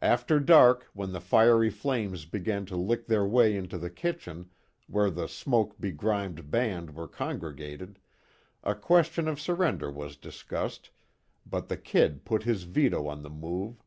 After dark, when the fiery flames began to lick their way into the kitchen, where the smoke begrimed band were congregated, a question of surrender was discussed, but the "Kid" put his veto on the move.